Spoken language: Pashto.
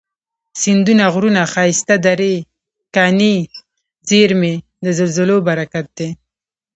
سیندونه، غرونه، ښایستې درې، کاني زیرمي، د زلزلو برکت دی